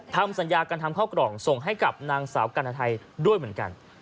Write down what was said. ทำสัญญาการทำข้าวกล่องส่งให้กับนางสาวกัณฑไทยด้วยเหมือนกัน